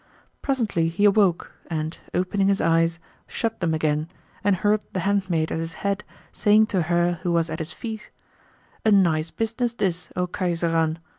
Presently he awoke and, opening his eyes, shut them again and heard the handmaid at his head saying to her who was at his feet, "A nice business this, O Khayzarán!"